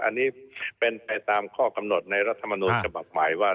อันนี้เป็นไปตามข้อกำหนดในรัฐมนูลฉบับใหม่ว่า